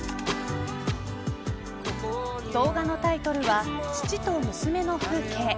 動画のタイトルは父と娘の風景。